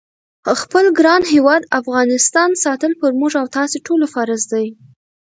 خپل ګران هیواد افغانستان ساتل پر موږ او تاسی ټولوفرض دی